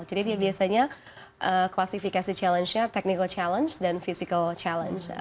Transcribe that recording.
jadi dia biasanya klasifikasi challenge nya technical challenge dan physical challenge